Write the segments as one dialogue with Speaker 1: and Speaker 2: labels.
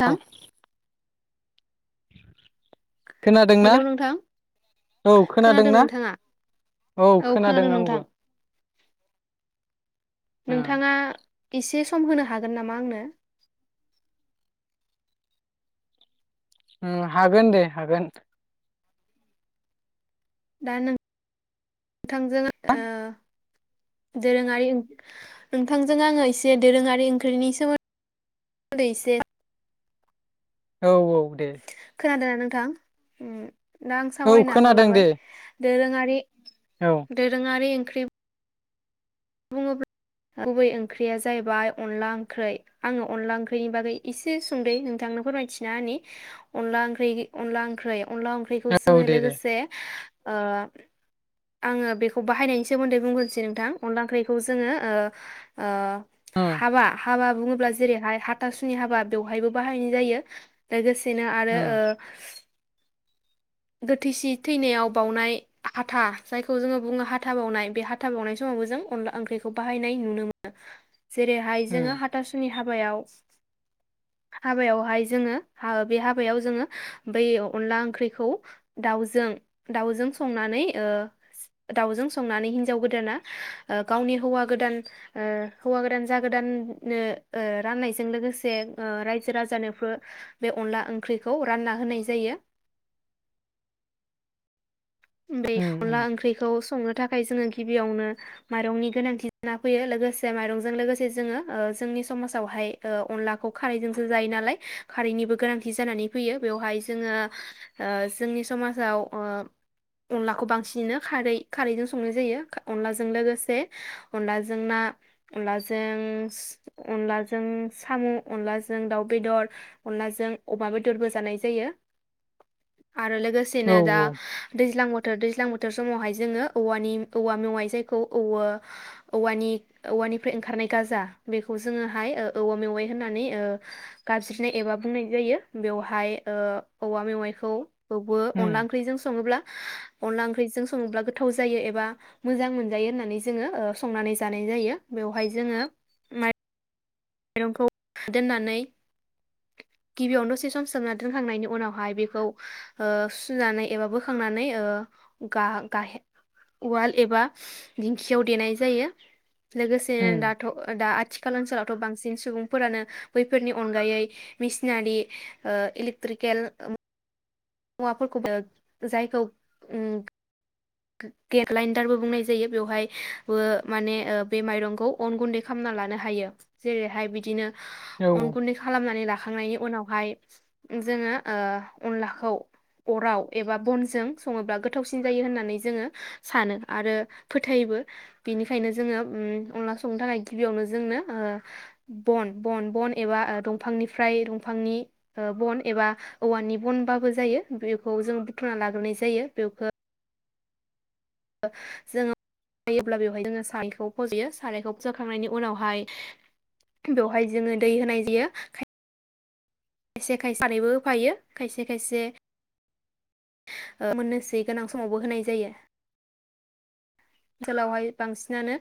Speaker 1: मा
Speaker 2: औ [inaudible] खोनादोंना
Speaker 1: हेलौ नोंथां
Speaker 2: औ
Speaker 1: खोनादों
Speaker 2: खोनादोंना
Speaker 1: नोंथाङा
Speaker 2: औ खोनादों आंबो! ओ
Speaker 1: नोंथाङा एसे। सम होनो हागोन नामा आंनो।
Speaker 2: उम हागोन दे हागोन।
Speaker 1: दा नों। थांजों ओ। दोरोङारि नोंथांजों आङो एसे दोरोङारि ओंख्रिनि सोमोन्दै [inaudible] दै एसे
Speaker 2: औ औ दे।
Speaker 1: खोनादोंना नोंथां। दा आं
Speaker 2: औ
Speaker 1: सावरायनो आखायाव
Speaker 2: खोनादों दे
Speaker 1: लाबाय। दोरोङारि
Speaker 2: औ
Speaker 1: दोरोङारि ओंख्रि आरो बै ओंख्रिया जाहैबाय अनला ओंख्रै आङो अनला ओंख्रैनि बागै एसे संदै नोंथांनो फोरमायथिना अनला ओंख्रि अनला ओंख्रै अनला ओंख्रिखौ
Speaker 2: औ
Speaker 1: जोङो
Speaker 2: दे दे
Speaker 1: लोगोसे ओ आङो बेखौ बाहायनायनि सोमोन्दै बुंगोनोसै नोंथां अनला ओंख्रिखौ जोङो ओ ओ।
Speaker 2: उम
Speaker 1: हाबा हाबा बुङोब्ला जेरैहाय हाथासुनि हाबा बेवहायबो बाहायनाय जायो लोगोस दिनो आरो
Speaker 2: उम
Speaker 1: ओ। गोथैसि थैनायाव बावउनाय हाथा जायखौ जोङो बुङो हाथा बावनाय बे हाथा बावनाय समावबो जों अनला ओंख्रिखौ बाहायनाय नुनो मोनो। जेरैहाय
Speaker 2: उम
Speaker 1: जोङो हाथासुनि हाबायाव हाबायावहाय जोङो ओ बे हाबायाव जोङो बै अनला ओंख्रिखौ दाउजों दाउजों संनानै ओ दाउजों संनानै हिनजाव गोदाना ओ गावनि हौवा गोदान ओ हौवा गोदान जागोदाननो ओ राननायजों लोगोसे ओ रायजो राजानोबो बे अनला ओंख्रिखौ रानना होनाय जायो। बे
Speaker 2: उम
Speaker 1: अनला
Speaker 2: उम
Speaker 1: ओंख्रिखौ संनो थाखाय जोङो गिबियावनो माइरंनि गोनांथि जाना फैयो लोगोसे माइरंजों लोगोसे जोङो ओ जोंनि समाजावहाय अनलाखौ खारैजोंसो जायो नालाय खारैनिबो गोनांथि जानानै फैयो बेवहाय जोङो ओ जोंनि समाजाव ओ। अनलाखौ बांसिनो खारै खारैजों संनाय जायो अनलाजों लोगोसे अनलाजों ना अनलाजों अनलाजों साम' अनलाजों दाउ बेदर अनलाजों अमा बेदरबो जानाय जायो। आरो
Speaker 2: औ
Speaker 1: लोगोसेनो दा। दैज्लां बोथोर दैज्लां बोथोर समावहाय जोङो औवानि औवा मेवयाय जायखौ औ औवानि औवानिफ्राय ओंखारनाय गाजा बेखौ जोङोहाय औवा मेवयाय होननानै गाबज्रिनाय एबा बुंनाय जायो बेवहाय ओ औवा मेवाइखौ खौबो
Speaker 2: उम
Speaker 1: अनदला ओंख्रिजों सङोब्ला अनला ओंख्रिजों सङोब्ला गोथाव जायो एबा मोजां मोनजायो होननानै जोङो ओ संनानै जानाय जायो बेवहाय जोङो माय माइरंखौ दोननानै गिबियाव दसे सम सोमनानै दोनखांनायनि उनावहाय बेखौ ओ सुनानै एबा बोखांनानै ओ गा गाहे उवाल एबा दिंखियाव देनाय जायो। लोगोसेनो
Speaker 2: उम
Speaker 1: दाथ' दा आथिखाल ओनसोलाव बांसिन सुबुंफोरानो बैफोरनि अनगायै मेसिनारि ओ इलेकट्रिकेल मुवाफोरखौबो जायखौ ओम गेदलेनडारबो बुंनाय जायो बेवहायबो माने बे माइरंखौ अन गुन्दै खालामना लानो हायो जेरैहाय बिदिनो
Speaker 2: औ
Speaker 1: अन गुन्दै खालामनानै लाखांनायनि उनाव हायो जोङो ओ अनलाखौ अराव एबा बनजों स‌ङोबा गोथावसिन जायो होननानै ज जोङो सानो आरो फोथायबो बिनिखायनो जोङो ओम अनला संनो थाखाय गिबियावनो जोंनो ओ बन बन बन एबा दंफांनिफ्राय दंफांनि बन एबा औवानि बनबाबो जायो बेखौ जों बुथुमना लाग्रोनाय जायो बेखौ ओ जोङो नायोब्ला बेवहाय जोङो सारायखौ फज'यो सारायखौ फजखांनायनि उनावहाय बेवहाय जोङो दै होनाय जायो। खायसे खायसे खारैबो होफायो खायसे खायसे ओ मोननोसै गोनां समावबो होनाय जायो। ओनसोलावहाय बांसिनानो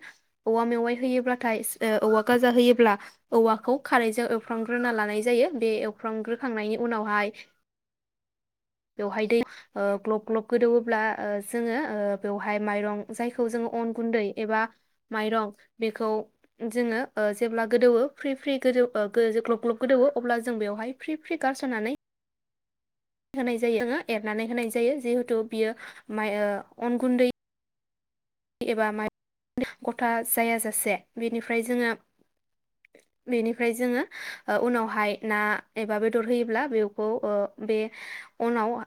Speaker 1: औवा मेवाइ होयोब्लाथाय ओ औवा गाजा होयोब्ला औवाखौ खारैजों एवफ्रामग्रोना लानाय जायो बे एवफ्रामग्रोखांनायनि उनावहाय बेवहाय दै ओ ग्लब ग्लब गोदौवोब्ला ओ जोङो ओ बेवहाय माइरं जायखौ जोङो अन गुन्दै एबा माइरं बेखौ जोङो ओ जेब्ला गोदौ फ्रि फ्रि गोदौ ओ ग्लब ग्लब गोदौवो अब्ला जों बेवहाय फ्रि फ्रि गारसननानै होनाय जायो एरनानै होनाय जायो जिहेथु बियो माइ ओ अन गुन्दै एबा माइ गथा जायाजासे बेनिफ्राय जोङो बेनिफ्राय जोङो ओ उनावहाय ना एबा बेदर होयोब्ला बेखौ ओ बे उनाव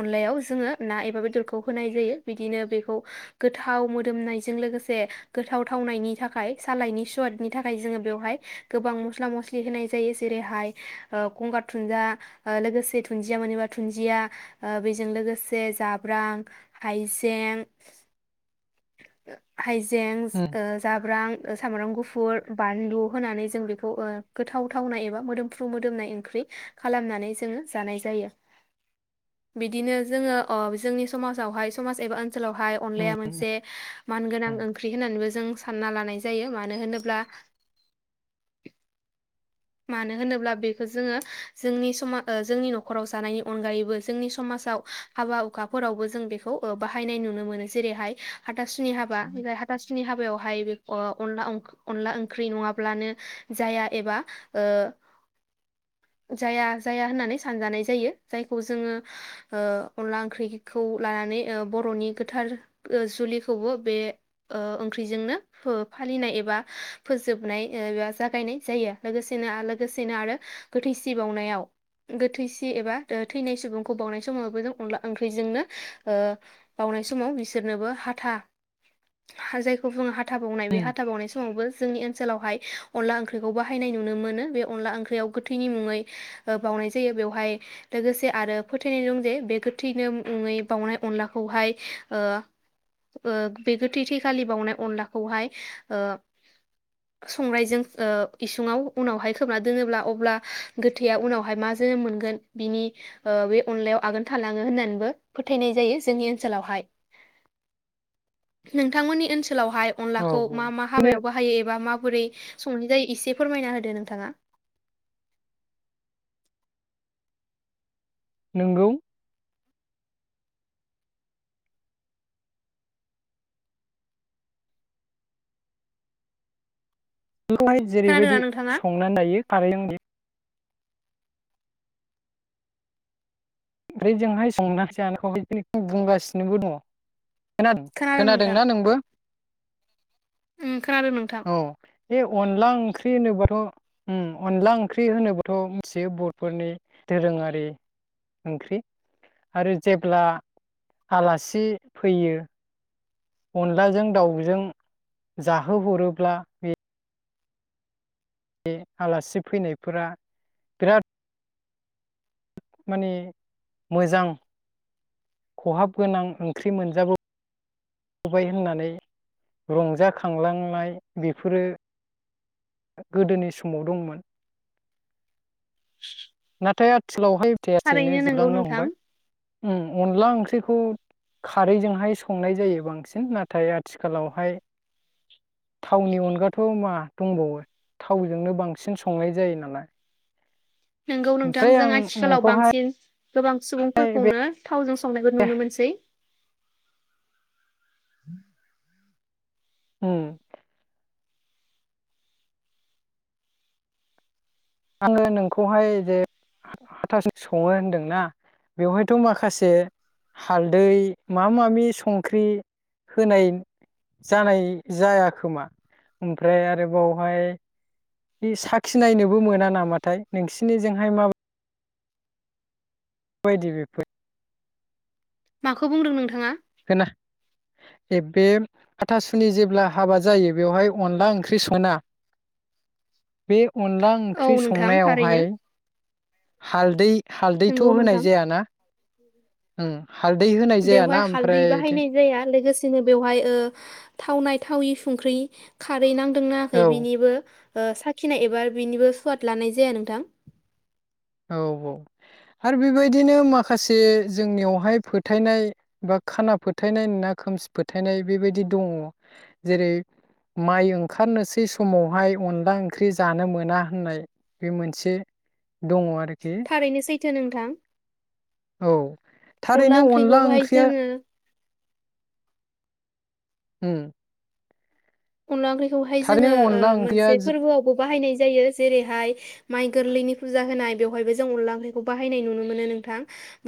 Speaker 1: अनलायाव जोङो ना एबा बेदरखौ होनाय जायो बिदिनो बेखौ गोथाव मोदोमनायजों लोगोसे गोथाव थावनायनि थाखाय सालायनि सवादनि थाखाय जोङो बेवहाय गोबां मस्ला मस्लि होनाय जायो जेरैहाय गंगार धुनदिया लोगोसे धुनदिया मोनबा धुन्दिया ओ बेजों लोगोसे जाब्रां हाइजें हाइज जें
Speaker 2: उम
Speaker 1: ओ जाब्रां ओ सामब्राम गुफ गुफुर बानलु होनानै जों बेखौ ओ गोथाव थावनाय एबा मोदोमफ्रु मोदोमनाय ओंख्रि खालामनानै जोङो जानाय जायो। बिदिनो जोङो अ जोंनि समाजावहाय समाज एबा ओन सोलावहाय
Speaker 2: उम
Speaker 1: अनलाया मोनसे मानगोनां
Speaker 2: उम
Speaker 1: ओंख्रि होननानैबो जों सान्ना लानाय जायो मानो होनोब्ला मानो होनोब्ला बेखौ जोङो जोंनि समा जोंनि न'खराव जानायनि अनगायैबो जोंनि समाजाव हाबा हुखाफोरावबो जों बेखौ ओ बाहायनाय नुनो मोनो जेरैहाय हाथासुनि हाबा बे हाथासुनि हाबायावहाय बे अनला अनला ओंख्रि नङाब्लानो जाया एबा ओ जाया जाया होननानै सानजानाय जायो जायखौ जोङो ओ अनला ओंख्रिखौ लानानै ओ बर'नि गोथार जुलिखौबो बे ओ ओंख्रिजोंनो फालिनाय एबा फोजोबनाय एबा जागायनाय जायो लोगोसे सेनो लोगोसेनो आरो गोथैसि बावनायाव गोथैसि एबा थैनाय सुबुंखौ बावनाय समाव अन ओंख्रिजोंनो ओ बावनाय समाव बिसोरनोबो हाथा जायखौ बुङो हाथा बावनाय बे
Speaker 2: उम
Speaker 1: हाथा बावनाय समावबो जोंनि ओनसोलावहाय अनला ओंख्रिखौ बाहायनाय नुनो मोनो बे अनला ओंख्रियाव गोथैनि मुङै ओ बाउनाय जायो बेवहाय लोगोसे आरो फोथायनाय दं जे बे गोथैनो मुङै बाउनाय अनलाखौहाय ओ ओ बे गोथै थैखालि बाउनाय अनलाखौहाय ओ संग्रायजों ओ इसुङाव उनावहाय खोबना दोनोब्ला अब्ला गोथैया उनावहाय मा जोनोम मोनगोन बिनि ओ बे अनलायाव आगोन थालाङो होननानैबो फोथायनाय जायो जोंनि ओनसोलावहाय नोंथांमोननि ओनस सोलावहाय
Speaker 2: औ
Speaker 1: अनलाखौ मा मा
Speaker 2: बिदिनो
Speaker 1: हाबायावबो हायो एबा मा बोरै संनाय जायो एसे फोरमायना हो दे नोंथाङा
Speaker 2: नोंगौ बेखौहाय
Speaker 1: खोनादोंना
Speaker 2: जेरैबायदि
Speaker 1: नोंथाङा
Speaker 2: संनानै जायो खारैजों ओफ्राय जोंहाय संनानै जानायखौहाय [unintelligible] बुंगासिनोबो दङ। खोनाद
Speaker 1: खोनादों
Speaker 2: खोनादोंना नोंबो?
Speaker 1: उय खोनादों नोंथां।
Speaker 2: औ बे अनला ओंख्रि होनोबाथ' ओं अनला ओंख्रि होनोबाथ' मिथियो बर'फोरनि दोरोङारि ओंख्रि आरो जेब्ला आलासि फैयो अनलाजों दाउजों जाहोहरोब्ला बे बे आलासि फैनायफोरा बिराद माने मोजां खहाब गोनां ओंख्रि मोनजाबो बोबाय होननानै रंजाखांलांनाय बेफोरो गोदोनि समाव दंमोन नाथाय आथि खालावहाय थैया थैैनो
Speaker 1: थारैनो नोंगौ
Speaker 2: जोबलांनो
Speaker 1: नोंथां
Speaker 2: हमबाय। ओं अनला ओंख्रिखौ खारैजोंहाय संनाय जायो बांसिन नाथाय आथिखालावहाय थावनि अनगाथ' मा दंबावो थावजोंनो बांसिन संनाय जायो नालाय
Speaker 1: नोंगौ नोंथां
Speaker 2: ओमफ्राय
Speaker 1: जों
Speaker 2: आं
Speaker 1: आथिखालाव
Speaker 2: नोंखौहाय
Speaker 1: बांसिन गोबां
Speaker 2: बे
Speaker 1: सुबुंफोरखौनो थावजों संनायखौ नुनो मोनसै [inaudible]
Speaker 2: उम आङो नोंखौहाय जे हाथास सङो होनदोंना बेवहायथ' माखासे हालदै मा माबि संख्रि होनाय जानाय जायाखोमा ओमफ्राय आरोबावहाय बे साखिनायनोबो मोना नामाथाय नोंसिनिजोंहाय माबा बायदि बेफोर?
Speaker 1: माखौ बुंदों नोंथाङा?
Speaker 2: होना ऐ बे हाथासुनि जेब्ला हाबा जायो बेवहाय अनला ओंख्रि सोना बे अनला
Speaker 1: औ
Speaker 2: ओंख्रि
Speaker 1: नोंथां थारैनो
Speaker 2: संनायावहाय हालदै हालदैथ'
Speaker 1: नोंगौ
Speaker 2: होनाय
Speaker 1: नोंथां
Speaker 2: जायाना? ओं हालदै होनाय जायाना?
Speaker 1: दै
Speaker 2: ओमफ्राय
Speaker 1: बाहायनाय जाया लोगोसेनो बेवहाय ओ थावनाय थावि संख्रि खार हालदै नांदों नाङाखै
Speaker 2: औ
Speaker 1: बिनिबो ओ साखिनाय एबा बेनिबो सुवाद लानाय जाया नोंथां
Speaker 2: औ औ आरो बेबायदिनो माखासे जोंनियावहाय फोथायनाय बा खाना फोथायनाय ना खोमसि फोथायनाय बेबादि दङ। जेरै माइ ओंखारनोसै समावहाय अनला ओंख्रि जानो मोना होननाय बे मोनसे दङ आरो
Speaker 1: थारैनो सैथो थो नोंथां
Speaker 2: औ थारैनो अनला
Speaker 1: ओंख्रिखौहाय
Speaker 2: ओंख्रिया
Speaker 1: जोङो
Speaker 2: उम
Speaker 1: अनदला ओंख्रिखौहाय जोङो
Speaker 2: थारैनो
Speaker 1: ओ
Speaker 2: अनला ओंख्रिया
Speaker 1: मोनसे
Speaker 2: जो
Speaker 1: फोरबोआवबो बाहायनाय जायो जेरैहाय माइ गोरलैनि फुजा होनाय बेवहायबो जों अनला ओंख्रिखौ बायनाय नुनो मोनो नोंथां।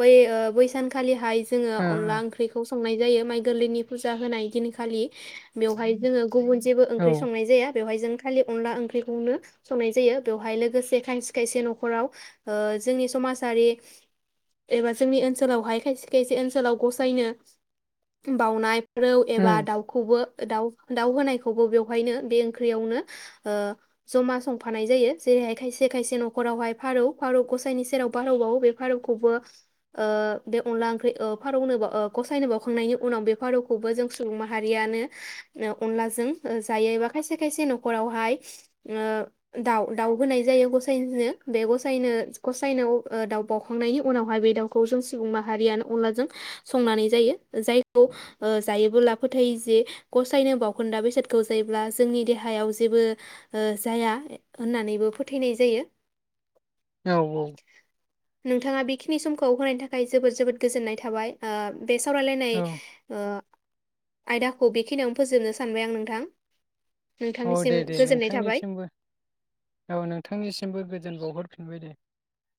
Speaker 1: बै ओ बै सानखालिहाय जोङो
Speaker 2: ओ
Speaker 1: अनला ओंख्रिखौ सं संनाय जायो माइ गोरलैनि फुजा होनाय दिनखालि बेवहाय जोङो गुबुन जेबो
Speaker 2: ओ
Speaker 1: ओंख्रि संनाय जाया। बेवहाय जों खालि अनला ओंख्रिखौनो संनाय जायो। बेवहाय लोगोसे खायसे खायसे न'खराव ओ जोंनि समाजारि एबा जोंनि ओनसोलावहाय खायसे खायसे ओनसोलाव गसायनो बावउनाय रौ
Speaker 2: औ
Speaker 1: एबा
Speaker 2: उम
Speaker 1: दाउखौबो ओ दाउ दाउ होनायखौबो बेवहायनो बे ओंख्रियावनो ओ जमा संफानाय जायो। जेरैहाय खायसे खायसे न'खरावहाय फारौ फारौ गसायनि सेराव फारौ बावो बे फारौखौबो ओ बे अनला ओंख्रि ओ फारौनो बो ओ बाव गसायनो बावखांनायनि उनाव बे फारौखौबो जों सुबुं माहारियानो अनलाजों ओ जायो एबा खायसे खायसे न'खरावहाय ओ दाउ दाउ होनाय जायो गसाइनो बे गसायनो गसायनो दाउ बाउखांनायनि उनावहाय बे दाउखौ जों सुबुं माहारियानो अनलाजों संनानै जायो जायखौ जायोबोला फोथायो जे गसायनो बावखोन्दा बेसादखौ जायोब्ला जोंनि देहायाव जेबो ओ जाया होननानैबो फोथायनाय जायो।
Speaker 2: औ औ
Speaker 1: खिनि समखौ होनायनि थाखाय जोबोद जोबोद गोजोननाय थाबाय ओ बे सावरायलायनाय
Speaker 2: औ
Speaker 1: ओ आयदाखौ बि खिनियावनो फोजोबनो सानबाय आं नोंथां।
Speaker 2: औ दे
Speaker 1: नोंथांनिसिम
Speaker 2: दे
Speaker 1: गोजोननाय थाबाय
Speaker 2: नोंथांनिसिमबो औ नोंथांनिसिमबो गोजोन बावहर फिनबाय दे।